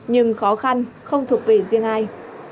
nhưng khó khăn không thuộc về riêng ai